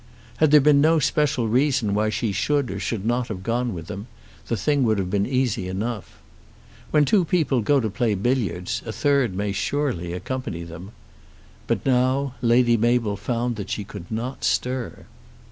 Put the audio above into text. Had there been no special reason why she should or should not have gone with them, the thing would have been easy enough. When two people go to play billiards, a third may surely accompany them. But now, Lady Mabel found that she could not stir.